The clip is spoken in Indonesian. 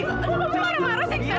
kamu marah marah sih